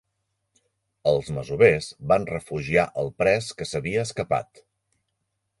Els masovers van refugiar el pres que s'havia escapat.